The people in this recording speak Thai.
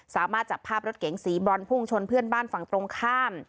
สามารถจับภาพรถเก๋งสีบรอนพุ่งชนเพื่อนบ้านฝั่งตรงข้าม